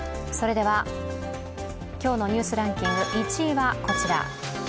今日の「ニュースランキング」１位はこちら。